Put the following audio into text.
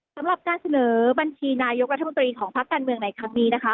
สำหรับการเสนอบัญชีนายกรัฐมนตรีของพักการเมืองในครั้งนี้นะคะ